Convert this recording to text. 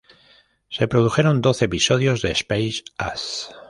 Se produjeron doce episodios de Space Ace.